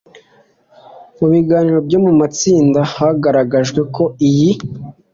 mu biganiro byo mu matsinda hagaragajwe ko iyi